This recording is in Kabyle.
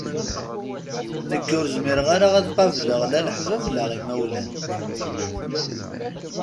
Nekk ur zmireɣ ara ad qableɣ la laḥbab la imawlan.